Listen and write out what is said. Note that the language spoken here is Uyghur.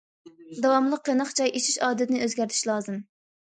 داۋاملىق قېنىق چاي ئىچىش ئادىتىنى ئۆزگەرتىش لازىم.